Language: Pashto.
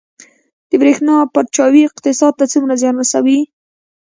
د بریښنا پرچاوي اقتصاد ته څومره زیان رسوي؟